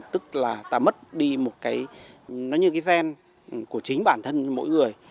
tức là ta mất đi một cái nó như cái gen của chính bản thân mỗi người